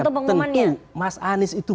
mas anies itu bukan orang yang otoritas